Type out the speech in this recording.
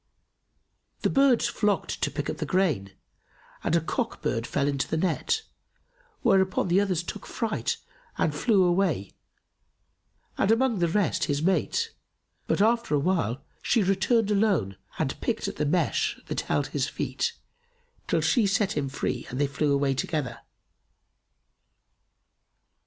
The birds flocked to pick up the grain, and a cock bird fell into the net, whereupon the others took fright and flew away, and amongst the rest his mate; but, after awhile, she returned alone and picked at the mesh that held his feet, till she set him free and they flew away together.